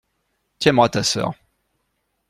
Tu aimeras ta sœur.